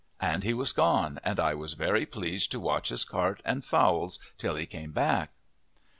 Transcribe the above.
And he was gone, and I was very pleased to watch his cart and fowls till he came back.